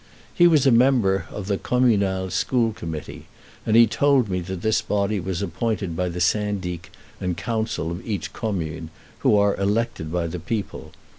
He was a member of the communal school committee, and he told me that this body was appointed by the syndic and council of each commune, who are elected by the people.